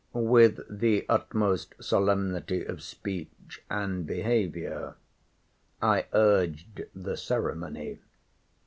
With the utmost solemnity of speech and behaviour, I urged the ceremony.